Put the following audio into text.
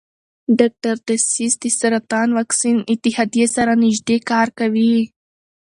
ډاکټر ډسیس د سرطان واکسین اتحادیې سره نژدې کار کوي.